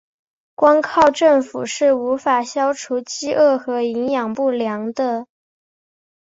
光靠政府是无法消除饥饿和营养不良的。